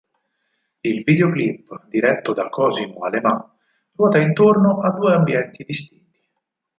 Il videoclip, diretto da Cosimo Alemà, ruota intorno a due ambienti distinti.